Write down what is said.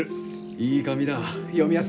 いい紙だ読みやすい。